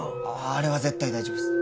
あれは絶対大丈夫っす！